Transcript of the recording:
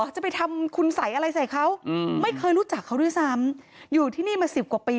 จะไปทำคุณสัยอะไรใส่เขาไม่เคยรู้จักเขาด้วยซ้ำอยู่ที่นี่มาสิบกว่าปี